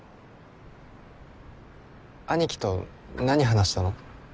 兄貴と何話したの？